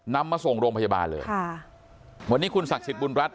นำมาส่งโรงพยาบาลเลยค่ะวันนี้คุณศักดิ์สิทธิบุญรัฐ